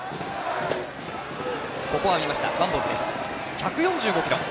１４５キロ！